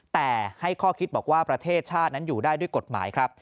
แต่ให้ข้อคิดบอกว่าประเทศชาตินั้นอยู่ได้ด้วยกฎหมายครับ